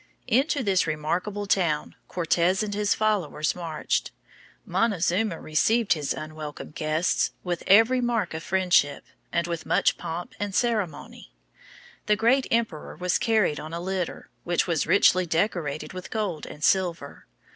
Into this remarkable town Cortes and his followers marched. Montezuma received his unwelcome guests with every mark of friendship, and with much pomp and ceremony. The great emperor was carried on a litter, which was richly decorated with gold and silver.